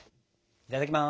いただきます。